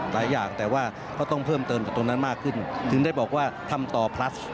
หลายอย่างแต่ว่าก็ต้องเพิ่มเติมจากตรงนั้นมากขึ้นถึงได้บอกว่าทำต่อพลัส